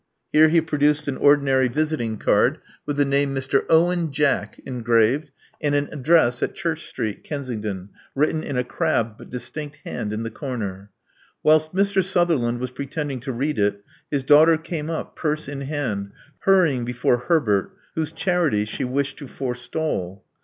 Here he produced an ordinary visiting card, with the name Mr. Owen Jack" engraved, and an address at Church Street, Kensington, written in a crabbed but distinct hand in the comer. Whilst Mr. Sutherland was pretending to read it, his daughter came up, purse in hand, hurrying before Herbert, whose charity she wished to forestall.